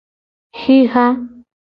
Xixa.